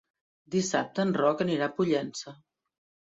Dissabte en Roc anirà a Pollença.